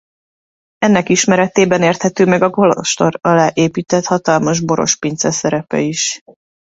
Ennek ismeretében érthető meg a kolostor alá épített hatalmas borospince szerepe is.